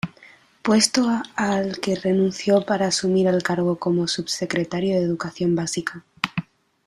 Puesto al que renunció para asumir el cargo como subsecretario de Educación Básica.